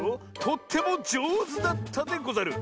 とってもじょうずだったでござる。